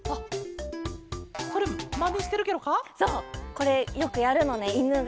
これよくやるのねいぬが。